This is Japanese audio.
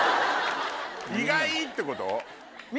意外！ってこと？